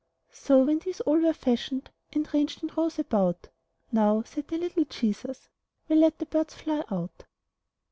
So, when these all were fashioned, And ranged in rows about, "Now," said the little Jesus, "We'll let the birds fly out."